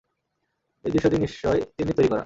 এই দৃশ্যটি নিশ্চয়ই তিন্নির তৈরি করা।